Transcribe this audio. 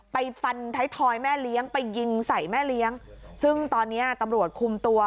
ไปฟันท้ายทอยแม่เลี้ยงไปยิงใส่แม่เลี้ยงซึ่งตอนเนี้ยตำรวจคุมตัว